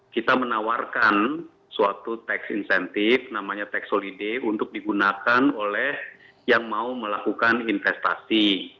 kita menawarkan suatu tax incentive namanya tax holiday untuk digunakan oleh yang mau melakukan investasi